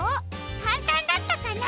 かんたんだったかな？